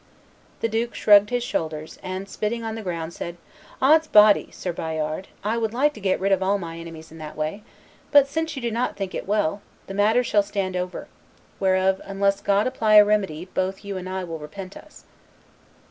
The duke shrugged his shoulders, and spitting on the ground, said, 'Od's body, Sir Bayard, I would like to get rid of all my enemies in that way; but, since you do not think it well, the matter shall stand over; whereof, unless God apply a remedy, both you and I will repent us."